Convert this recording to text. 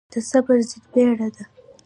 د صبر ضد بيړه ده.